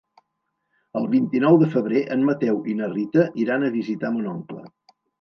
El vint-i-nou de febrer en Mateu i na Rita iran a visitar mon oncle.